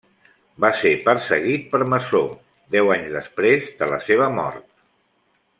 Va ser perseguit per maçó, deu anys després de la seva mort.